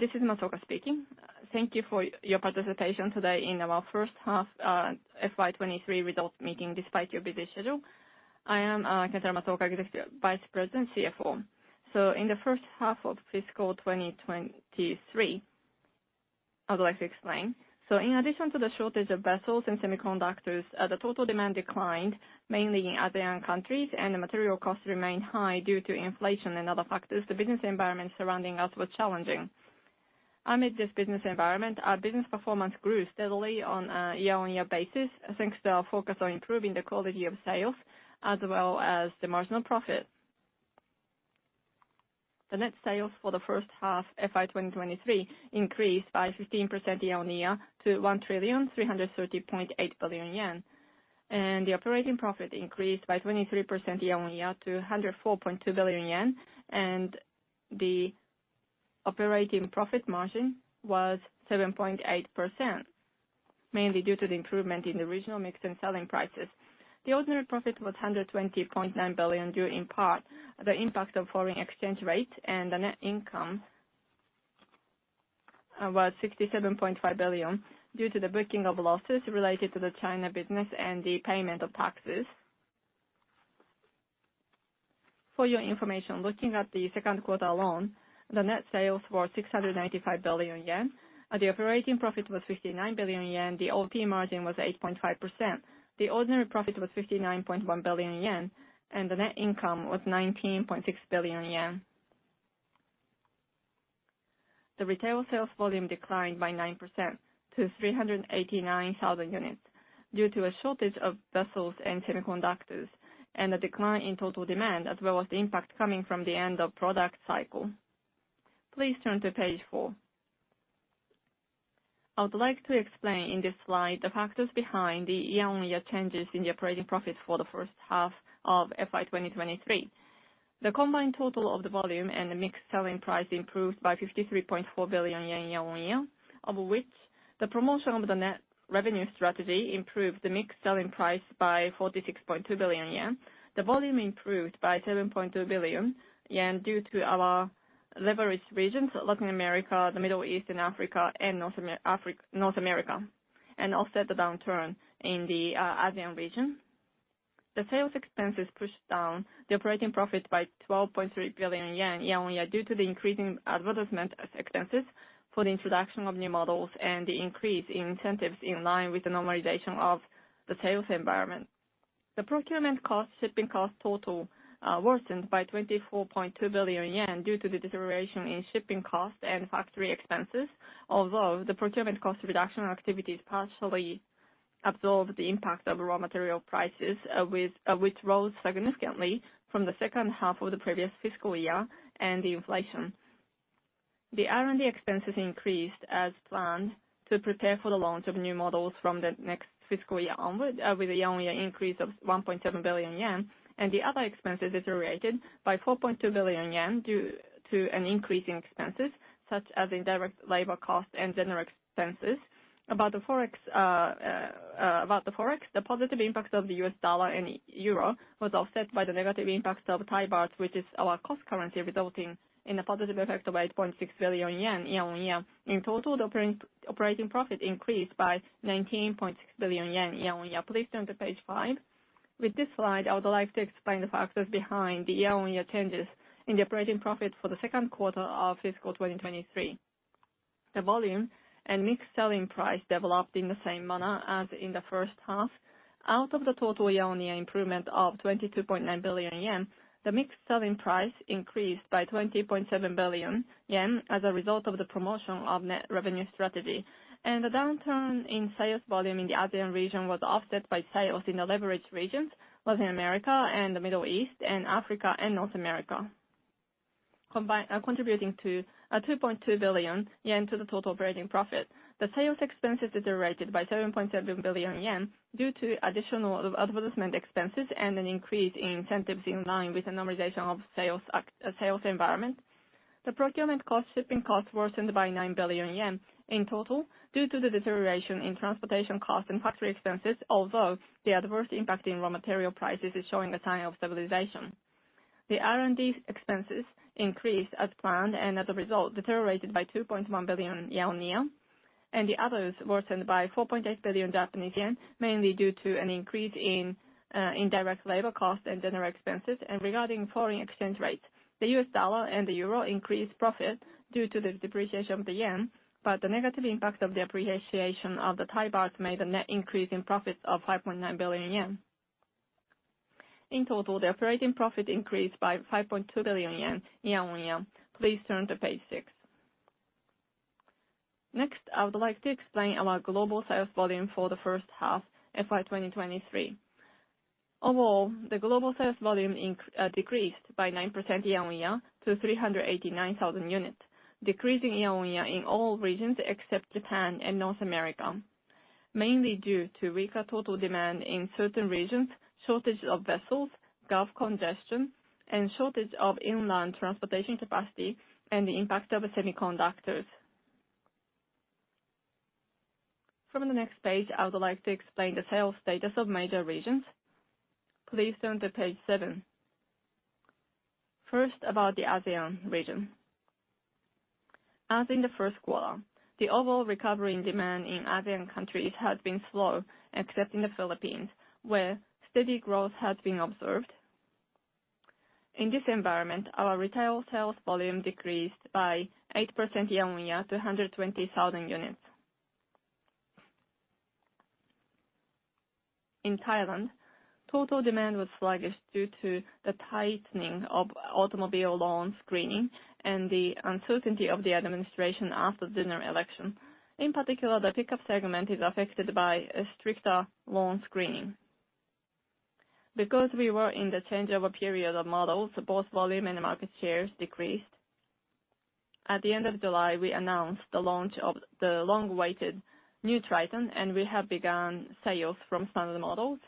This is Matsuoka speaking. Thank you for your participation today in our first half FY 2023 results meeting, despite your busy schedule. I am Kentaro Matsuoka, Executive Vice President, CFO. In the first half of fiscal 2023, I would like to explain. In addition to the shortage of vessels and semiconductors, the total demand declined, mainly in ASEAN countries, and the material costs remained high due to inflation and other factors. The business environment surrounding us was challenging. Amid this business environment, our business performance grew steadily on a year-on-year basis, thanks to our focus on improving the quality of sales as well as the marginal profit. The net sales for the first half, FY 2023, increased by 15% year-on-year to 1,330.8 billion yen. The operating profit increased by 23% year-on-year to 104.2 billion yen, and the operating profit margin was 7.8%, mainly due to the improvement in the regional mix and selling prices. The ordinary profit was 120.9 billion, due in part the impact of foreign exchange rate and the net income was 67.5 billion, due to the booking of losses related to the China business and the payment of taxes. For your information, looking at the second quarter alone, the net sales were 695 billion yen, and the operating profit was 59 billion yen. The OP margin was 8.5%. The ordinary profit was 59.1 billion yen, and the net income was 19.6 billion yen. The retail sales volume declined by 9% to 389,000 units due to a shortage of vessels and semiconductors, and a decline in total demand, as well as the impact coming from the end of product cycle. Please turn to Page 4. I would like to explain in this slide the factors behind the year-on-year changes in the operating profit for the first half of FY 2023. The combined total of the volume and the mixed selling price improved by 53.4 billion yen year-on-year, of which the promotion of the Net Revenue Strategy improved the mixed selling price by 46.2 billion yen. The volume improved by 7.2 billion yen due to our leveraged regions, Latin America, the Middle East and Africa, and North America, and offset the downturn in the ASEAN region. The sales expenses pushed down the operating profit by 12.3 billion yen year-on-year, due to the increasing advertisement expenses for the introduction of new models and the increase in incentives in line with the normalization of the sales environment. The procurement cost, shipping cost total worsened by 24.2 billion yen due to the deterioration in shipping costs and factory expenses. Although the procurement cost reduction activities partially absorbed the impact of raw material prices, with which rose significantly from the second half of the previous fiscal year and the inflation. The R&D expenses increased as planned to prepare for the launch of new models from the next fiscal year onward, with a year-on-year increase of 1.7 billion yen, and the other expenses deteriorated by 4.2 billion yen, due to an increase in expenses such as indirect labor costs and general expenses. About the Forex, the positive impact of the US dollar and euro was offset by the negative impact of Thai baht, which is our cost currency, resulting in a positive effect of 8.6 billion yen, year-on-year. In total, the operating profit increased by 19.6 billion yen, year-on-year. Please turn to Page 5. With this slide, I would like to explain the factors behind the year-on-year changes in the operating profit for the second quarter of fiscal 2023. The volume and mixed selling price developed in the same manner as in the first half. Out of the total year-on-year improvement of 22.9 billion yen, the mixed selling price increased by 20.7 billion yen as a result of the promotion of Net Revenue Strategy. The downturn in sales volume in the ASEAN region was offset by sales in the leveraged regions, Latin America, the Middle East and Africa, and North America, contributing to 2.2 billion yen to the total operating profit. The sales expenses deteriorated by 7.7 billion yen due to additional advertisement expenses and an increase in incentives in line with the normalization of sales environment. The procurement cost, shipping cost worsened by 9 billion yen in total, due to the deterioration in transportation costs and factory expenses, although the adverse impact in raw material prices is showing a sign of stabilization. The R&D expenses increased as planned, and as a result, deteriorated by 2.1 billion yen year-on-year, and the others worsened by 4.8 billion Japanese yen, mainly due to an increase in indirect labor costs and general expenses. Regarding foreign exchange rates, the US dollar and the euro increased profit due to the depreciation of the yen, but the negative impact of the appreciation of the Thai baht made a net increase in profits of 5.9 billion yen. In total, the operating profit increased by 5.2 billion yen, year-on-year. Please turn to Page 6. Next, I would like to explain our global sales volume for the first half, FY 2023. Overall, the global sales volume decreased by 9% year-on-year to 389,000 units, decreasing year-on-year in all regions except Japan and North America. Mainly due to weaker total demand in certain regions, shortage of vessels, port congestion, and shortage of inland transportation capacity and the impact of semiconductors.... From the next page, I would like to explain the sales status of major regions. Please turn to Page 7. First, about the ASEAN region. As in the first quarter, the overall recovery in demand in ASEAN countries has been slow, except in the Philippines, where steady growth has been observed. In this environment, our retail sales volume decreased by 8% year-on-year to 120,000 units. In Thailand, total demand was sluggish due to the tightening of automobile loan screening and the uncertainty of the administration after the general election. In particular, the pickup segment is affected by a stricter loan screening. Because we were in the changeover period of models, both volume and market shares decreased. At the end of July, we announced the launch of the long-awaited new Triton, and we have begun sales from some of the models.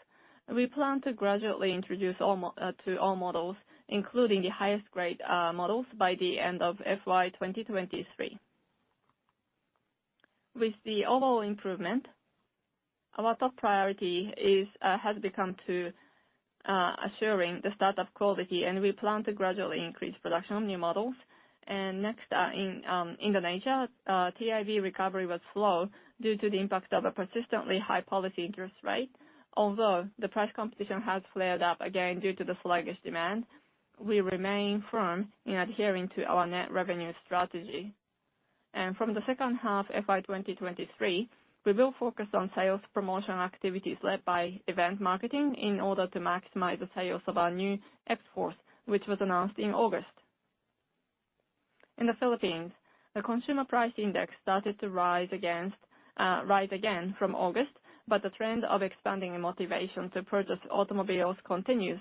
We plan to gradually introduce all to all models, including the highest grade models, by the end of FY 2023. With the overall improvement, our top priority is, has become to, assuring the start of quality, and we plan to gradually increase production of new models. Next, in Indonesia, TIV recovery was slow due to the impact of a persistently high policy interest rate. Although the price competition has flared up again due to the sluggish demand, we remain firm in adhering to our Net Revenue Strategy. From the second half FY 2023, we will focus on sales promotion activities led by event marketing in order to maximize the sales of our new Xforce, which was announced in August. In the Philippines, the consumer price index started to rise again from August, but the trend of expanding the motivation to purchase automobiles continues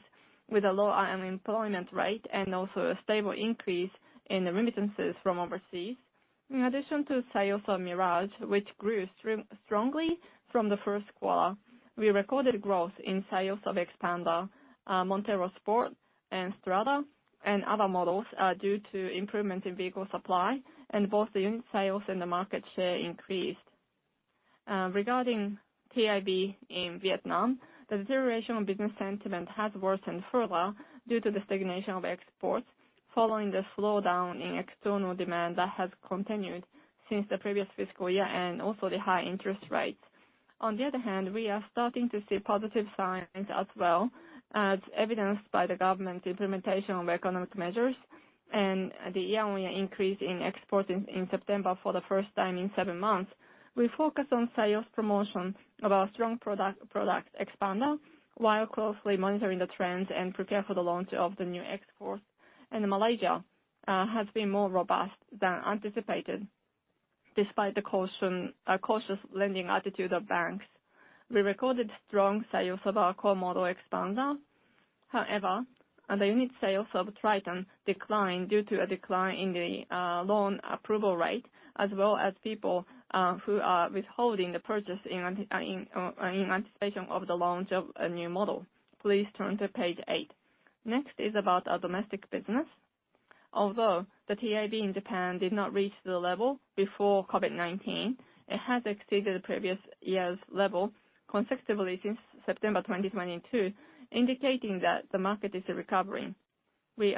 with a low unemployment rate and also a stable increase in remittances from overseas. In addition to sales of Mirage, which grew strongly from the first quarter, we recorded growth in sales of Xpander, Montero Sport, and Strada, and other models due to improvement in vehicle supply, and both the unit sales and the market share increased. Regarding TIV in Vietnam, the deterioration of business sentiment has worsened further due to the stagnation of exports, following the slowdown in external demand that has continued since the previous fiscal year, and also the high interest rates. On the other hand, we are starting to see positive signs as well, as evidenced by the government's implementation of economic measures and the year-on-year increase in exports in September for the first time in seven months. We focus on sales promotion of our strong product Xpander, while closely monitoring the trends and prepare for the launch of the new Xforce. Malaysia has been more robust than anticipated, despite the cautious lending attitude of banks. We recorded strong sales of our core model, Xpander. However, the unit sales of Triton declined due to a decline in the loan approval rate, as well as people who are withholding the purchase in anticipation of the launch of a new model. Please turn to Page 8. Next is about our domestic business. Although the TIV in Japan did not reach the level before COVID-19, it has exceeded the previous year's level consecutively since September 2022, indicating that the market is recovering. We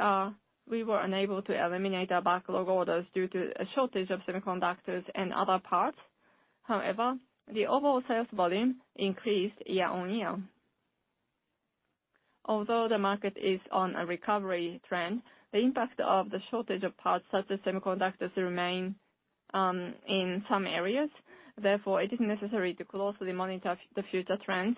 were unable to eliminate our backlog orders due to a shortage of semiconductors and other parts. However, the overall sales volume increased year-on-year. Although the market is on a recovery trend, the impact of the shortage of parts, such as semiconductors, remain in some areas. Therefore, it is necessary to closely monitor the future trends,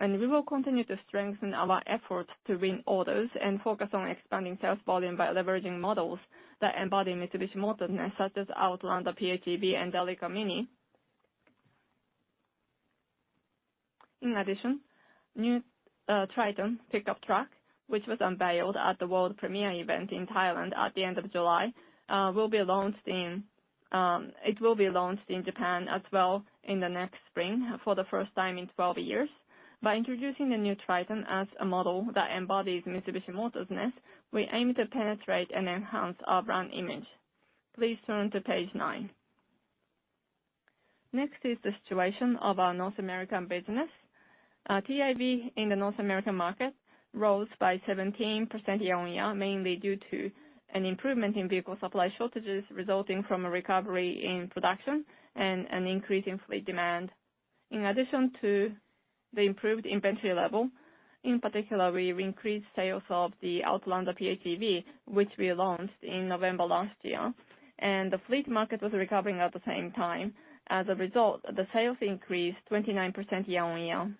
and we will continue to strengthen our efforts to win orders and focus on expanding sales volume by leveraging models that embody Mitsubishi Motors-ness, such as Outlander PHEV and Delica Mini. In addition, new Triton pickup truck, which was unveiled at the world premiere event in Thailand at the end of July, will be launched in... It will be launched in Japan as well in the next spring for the first time in 12 years. By introducing the new Triton as a model that embodies Mitsubishi Motors-ness, we aim to penetrate and enhance our brand image. Please turn to Page 9. Next is the situation of our North American business. TIV in the North American market rose by 17% year-on-year, mainly due to an improvement in vehicle supply shortages resulting from a recovery in production and an increase in fleet demand. In addition to the improved inventory level, in particular, we've increased sales of the Outlander PHEV, which we launched in November last year, and the fleet market was recovering at the same time. As a result, the sales increased 29% year-on-year.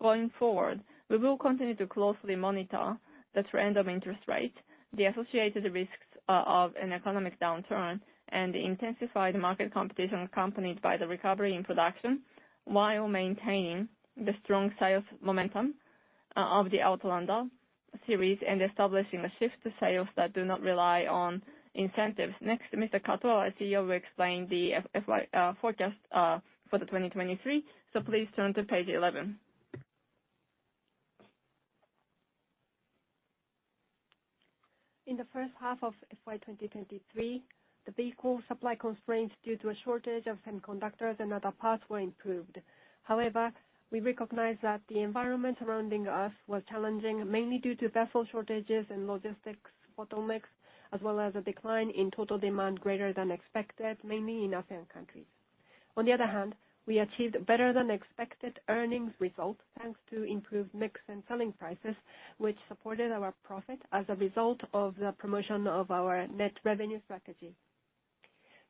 Going forward, we will continue to closely monitor the trend of interest rates, the associated risks, of an economic downturn, and the intensified market competition accompanied by the recovery in production, while maintaining the strong sales momentum, of the Outlander series and establishing a shift to sales that do not rely on incentives. Next, Mr. Kato, our CEO, will explain the FY forecast for 2023. Please turn to Page 11. ...In the first half of FY 2023, the vehicle supply constraints due to a shortage of semiconductors and other parts were improved. However, we recognize that the environment surrounding us was challenging, mainly due to vessel shortages and logistics bottlenecks, as well as a decline in total demand greater than expected, mainly in ASEAN countries. On the other hand, we achieved better than expected earnings results, thanks to improved mix and selling prices, which supported our profit as a result of the promotion of our Net Revenue Strategy.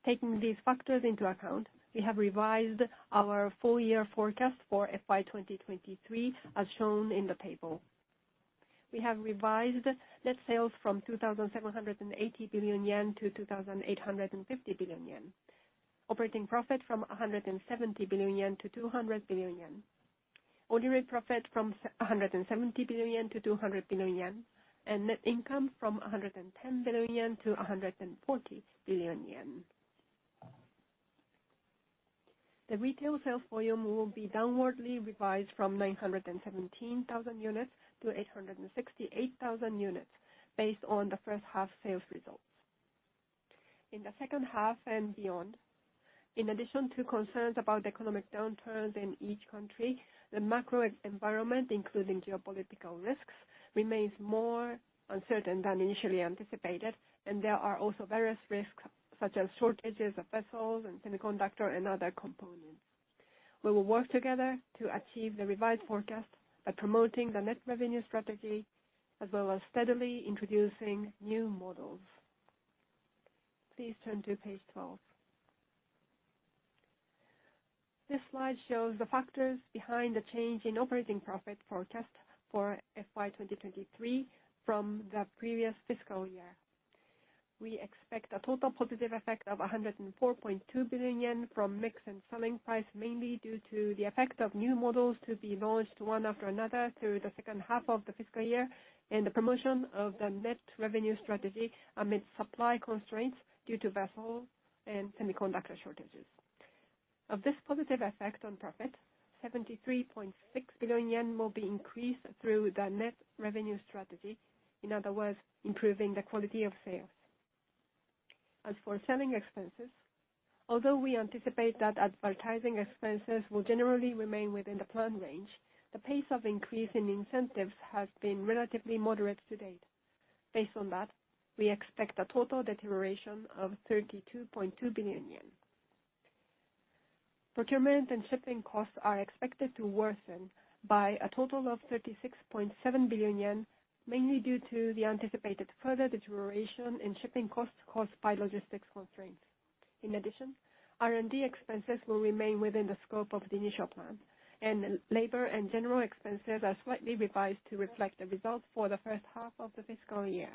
Taking these factors into account, we have revised our full year forecast for FY 2023, as shown in the table. We have revised net sales from 2,780 billion yen to 2,850 billion yen. Operating profit from 170 billion yen to 200 billion yen. Ordinary profit from 170 billion-200 billion yen, and net income from 110 billion-140 billion yen. The retail sales volume will be downwardly revised from 917,000 units to 868,000 units, based on the first half sales results. In the second half and beyond, in addition to concerns about economic downturns in each country, the macro environment, including geopolitical risks, remains more uncertain than initially anticipated, and there are also various risks, such as shortages of vessels and semiconductor and other components. We will work together to achieve the revised forecast by promoting the Net Revenue Strategy, as well as steadily introducing new models. Please turn to Page 12. This slide shows the factors behind the change in operating profit forecast for FY 2023 from the previous fiscal year. We expect a total positive effect of 104.2 billion yen from mix and selling price, mainly due to the effect of new models to be launched one after another through the second half of the fiscal year, and the promotion of the net revenue strategy amid supply constraints due to vessel and semiconductor shortages. Of this positive effect on profit, 73.6 billion yen will be increased through the net revenue strategy, in other words, improving the quality of sales. As for selling expenses, although we anticipate that advertising expenses will generally remain within the planned range, the pace of increase in incentives has been relatively moderate to date. Based on that, we expect a total deterioration of 32.2 billion yen. Procurement and shipping costs are expected to worsen by a total of 36.7 billion yen, mainly due to the anticipated further deterioration in shipping costs caused by logistics constraints. In addition, R&D expenses will remain within the scope of the initial plan, and labor and general expenses are slightly revised to reflect the results for the first half of the fiscal year.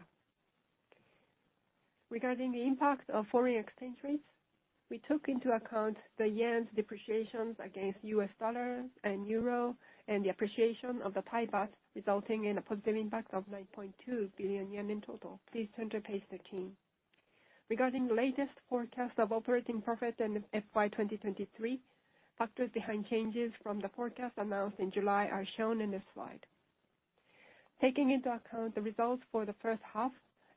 Regarding the impact of foreign exchange rates, we took into account the yen's depreciations against U.S. dollar and euro, and the appreciation of the Thai baht, resulting in a positive impact of 9.2 billion yen in total. Please turn to Page 13. Regarding the latest forecast of operating profit in FY2023, factors behind changes from the forecast announced in July are shown in this slide. Taking into account the results for the first half,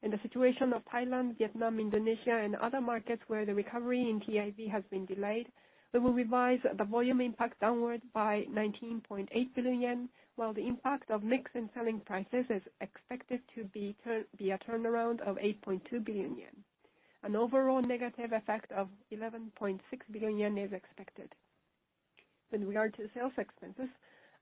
and the situation of Thailand, Vietnam, Indonesia, and other markets where the recovery in TIV has been delayed, we will revise the volume impact downward by 19.8 billion yen, while the impact of mix and selling prices is expected to be a turnaround of 8.2 billion yen. An overall negative effect of 11.6 billion yen is expected. With regard to sales expenses,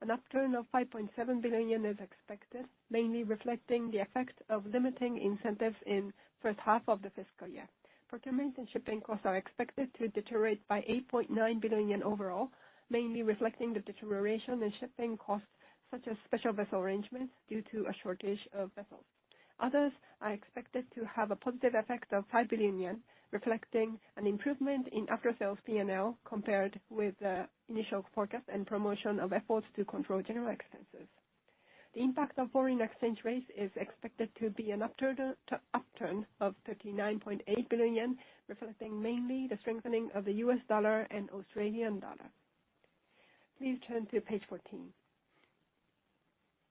an upturn of 5.7 billion yen is expected, mainly reflecting the effect of limiting incentives in first half of the fiscal year. Procurement and shipping costs are expected to deteriorate by 8.9 billion yen overall, mainly reflecting the deterioration in shipping costs, such as special vessel arrangements, due to a shortage of vessels. Others are expected to have a positive effect of 5 billion yen, reflecting an improvement in after-sales PNL compared with the initial forecast and promotion of efforts to control general expenses. The impact of foreign exchange rates is expected to be an upturn of 39.8 billion yen, reflecting mainly the strengthening of the U.S. dollar and Australian dollar. Please turn to Page 14.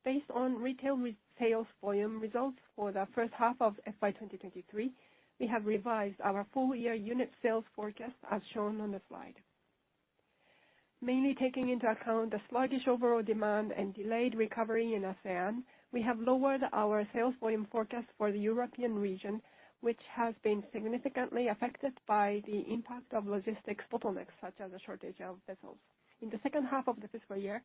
Based on retail sales volume results for the first half of FY 2023, we have revised our full year unit sales forecast, as shown on the slide. Mainly taking into account the sluggish overall demand and delayed recovery in ASEAN, we have lowered our sales volume forecast for the European region, which has been significantly affected by the impact of logistics bottlenecks, such as a shortage of vessels. In the second half of the fiscal year,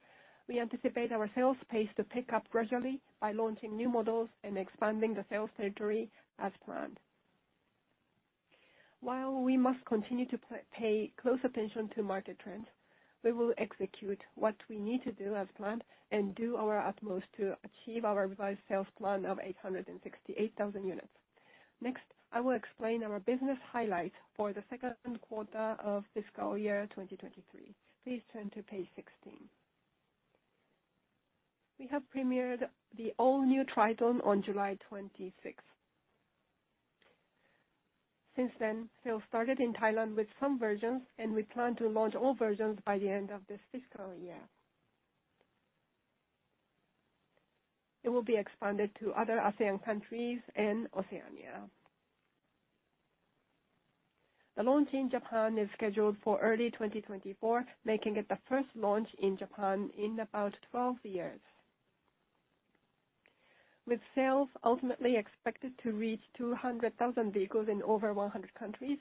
we anticipate our sales pace to pick up gradually by launching new models and expanding the sales territory as planned. While we must continue to pay close attention to market trends, we will execute what we need to do as planned and do our utmost to achieve our revised sales plan of 868,000 units. Next, I will explain our business highlights for the second quarter of fiscal year 2023. Please turn to Page 16. We have premiered the all-new Triton on July 26th. Since then, sales started in Thailand with some versions, and we plan to launch all versions by the end of this fiscal year. It will be expanded to other ASEAN countries and Oceania. The launch in Japan is scheduled for early 2024, making it the first launch in Japan in about 12 years. With sales ultimately expected to reach 200,000 vehicles in over 100 countries,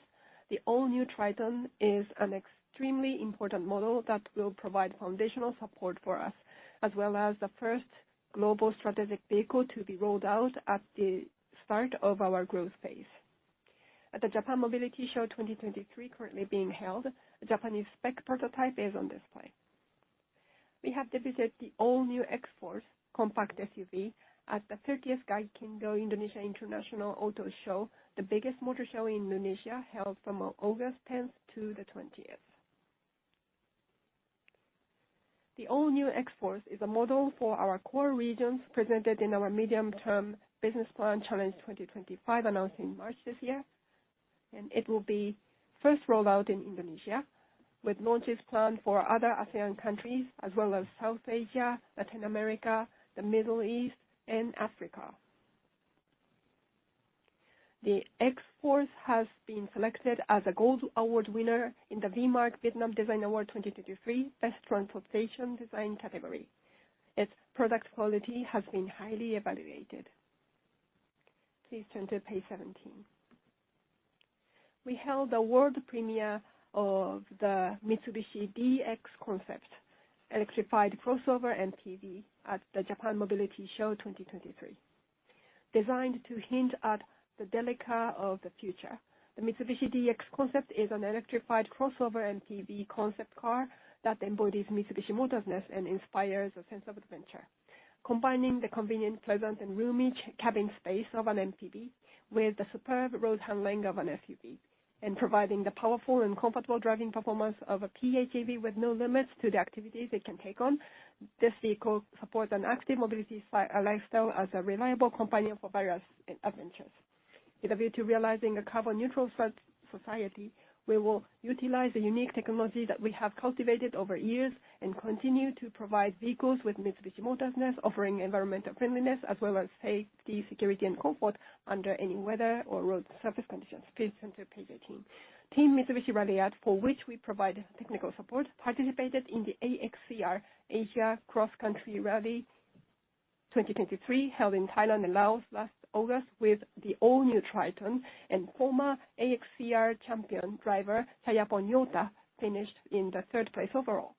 the all-new Triton is an extremely important model that will provide foundational support for us, as well as the first global strategic vehicle to be rolled out at the start of our growth phase. At the Japan Mobility Show 2023, currently being held, a Japanese spec prototype is on display. We have debuted the all-new Xforce compact SUV at the 30th GAIKINDO Indonesia International Auto Show, the biggest motor show in Indonesia, held from August 10 to the 20. The all-new Xforce is a model for our core regions, presented in our medium-term business plan, Challenge 2025, announced in March this year, and it will be first rolled out in Indonesia, with launches planned for other ASEAN countries, as well as South Asia, Latin America, the Middle East, and Africa. The Xforce has been selected as a Gold Award winner in the V-Mark Vietnam Design Award 2023, Best Transportation Design category. Its product quality has been highly evaluated. Please turn to Page 17. We held a world premiere of the Mitsubishi D:X Concept, electrified crossover MPV at the Japan Mobility Show 2023. Designed to hint at the Delica of the future, the Mitsubishi D:X concept is an electrified crossover MPV concept car that embodies Mitsubishi Motors-ness and inspires a sense of adventure. Combining the convenient, pleasant, and roomy cabin space of an MPV with the superb road handling of an SUV and providing the powerful and comfortable driving performance of a PHEV with no limits to the activities it can take on, this vehicle supports an active mobility lifestyle as a reliable companion for various adventures. In order to realizing a carbon neutral society, we will utilize the unique technology that we have cultivated over years and continue to provide vehicles with Mitsubishi Motors-ness, offering environmental friendliness as well as safety, security, and comfort under any weather or road surface conditions. Please turn to Page 18. Team Mitsubishi Ralliart, for which we provide technical support, participated in the AXCR, Asia Cross Country Rally 2023, held in Thailand and Laos last August with the all-new Triton and former AXCR champion driver, Chayapon Yotha, finished in third place overall.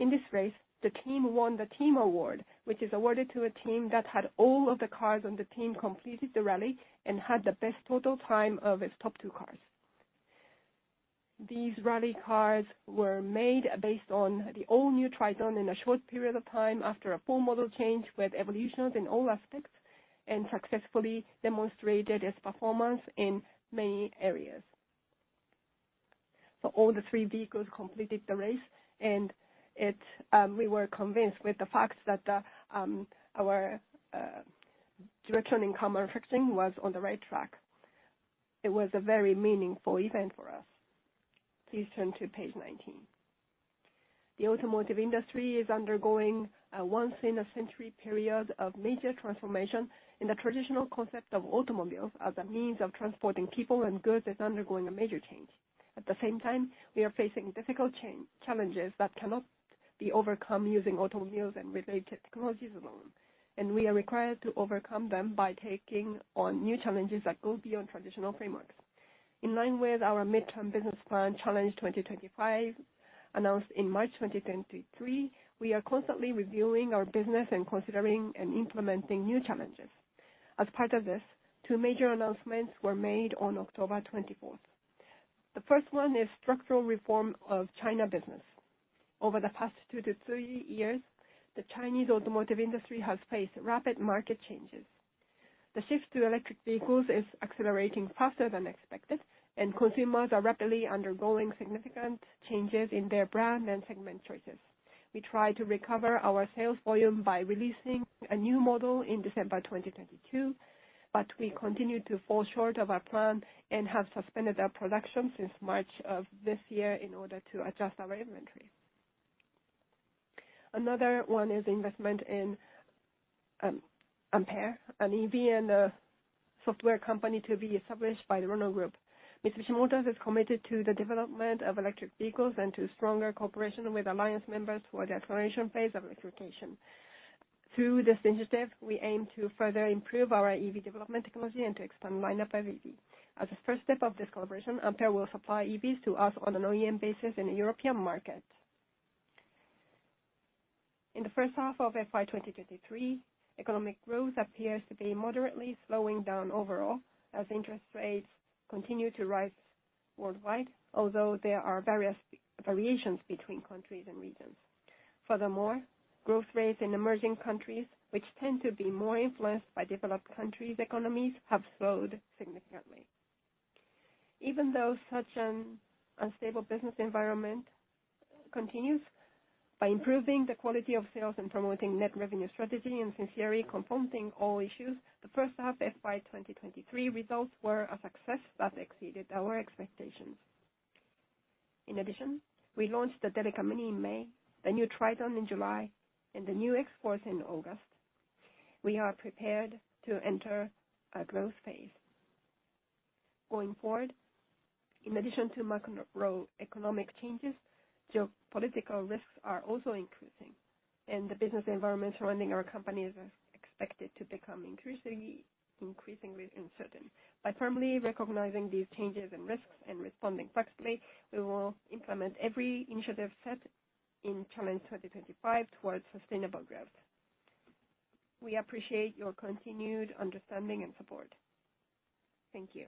In this race, the team won the team award, which is awarded to a team that had all of the cars on the team completed the rally and had the best total time of its top two cars. These rally cars were made based on the all-new Triton in a short period of time after a full model change, with evolutions in all aspects, and successfully demonstrated its performance in many areas. So all three vehicles completed the race, and we were convinced with the fact that our direction in commercial vehicles was on the right track. It was a very meaningful event for us. Please turn to Page 19. The automotive industry is undergoing a once-in-a-century period of major transformation, and the traditional concept of automobiles as a means of transporting people and goods is undergoing a major change. At the same time, we are facing difficult challenges that cannot be overcome using automobiles and related technologies alone, and we are required to overcome them by taking on new challenges that go beyond traditional frameworks. In line with our midterm business plan, Challenge 2025, announced in March 2023, we are constantly reviewing our business and considering and implementing new challenges. As part of this, two major announcements were made on October 24th. The first one is structural reform of China business. Over the past two to three years, the Chinese automotive industry has faced rapid market changes. The shift to electric vehicles is accelerating faster than expected, and consumers are rapidly undergoing significant changes in their brand and segment choices. We tried to recover our sales volume by releasing a new model in December 2022, but we continued to fall short of our plan and have suspended our production since March of this year in order to adjust our inventory. Another one is investment in Ampere, an EV and a software company to be established by the Renault Group. Mitsubishi Motors is committed to the development of electric vehicles and to stronger cooperation with alliance members for the acceleration phase of electrification. Through this initiative, we aim to further improve our EV development technology and to expand lineup of EV. As a first step of this collaboration, Ampere will supply EVs to us on an OEM basis in the European market. In the first half of FY 2023, economic growth appears to be moderately slowing down overall as interest rates continue to rise worldwide, although there are various variations between countries and regions. Furthermore, growth rates in emerging countries, which tend to be more influenced by developed countries' economies, have slowed significantly. Even though such an unstable business environment continues, by improving the quality of sales and promoting Net Revenue Strategy and sincerely confronting all issues, the first half FY 2023 results were a success that exceeded our expectations. In addition, we launched the Delica Mini in May, the new Triton in July, and the new Xforce in August. We are prepared to enter a growth phase. Going forward, in addition to macroeconomic changes, geopolitical risks are also increasing, and the business environment surrounding our company is expected to become increasingly uncertain. By firmly recognizing these changes and risks and responding flexibly, we will implement every initiative set in Challenge 2025 towards sustainable growth. We appreciate your continued understanding and support. Thank you.